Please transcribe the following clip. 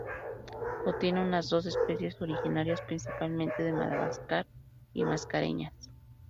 Contiene unas dos especies originarias principalmente de Madagascar y Mascareñas.